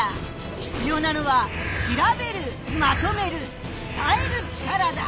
ひつようなのはしらべるまとめるつたえる力だ。